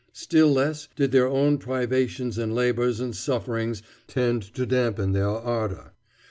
Still less did their own privations and labors and sufferings tend to dampen their ardor.